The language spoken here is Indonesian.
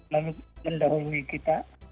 lalu mendahului kita